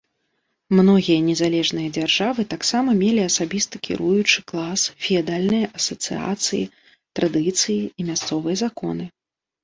Многія незалежныя дзяржавы таксама мелі асабісты кіруючы клас, феадальныя асацыяцыі, традыцыі і мясцовыя законы.